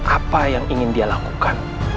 apa yang ingin dia lakukan